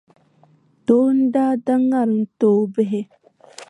Doo n-daa da ŋariŋ n-ti o bihi.